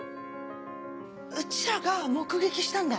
うちらが目撃したんだ？